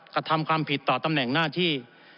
กระทำความผิดต่อตำแหน่งหน้าที่